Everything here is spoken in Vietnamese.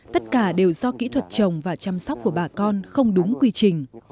tất cả đều do kỹ thuật trồng và chăm sóc của bà con không đúng quy trình